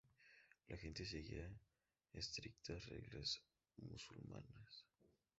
La gente seguía estrictas reglas musulmanas.